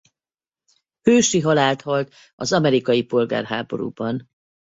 Hősi halált halt az amerikai polgárháborúban.